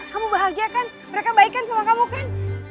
kamu bahagia kan mereka baik kan sama kamu kan